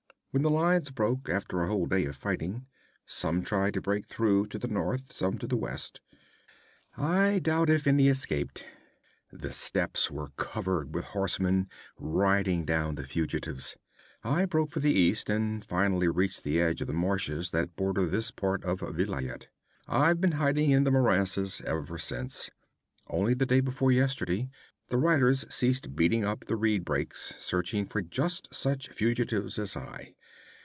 When the lines broke, after a whole day of fighting, some tried to break through to the north, some to the west. I doubt if any escaped. The steppes were covered with horsemen riding down the fugitives. I broke for the east, and finally reached the edge of the marshes that border this part of Vilayet. 'I've been hiding in the morasses ever since. Only the day before yesterday the riders ceased beating up the reed brakes, searching for just such fugitives as I.